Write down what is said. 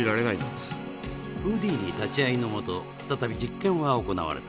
フーディーニ立ち会いのもと再び実験は行われた